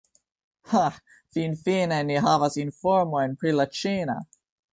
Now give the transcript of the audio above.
Ha, finfine ni havas informojn pri la ĉina!